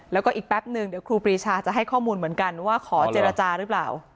แล้วก็อีกแป๊บนึงเดี๋ยวครูปรีชาจะให้ข้อมูลเหมือนกันว่าขอเจรจาหรือเปล่า